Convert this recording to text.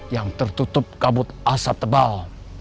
yang tertutup kabut asap tebal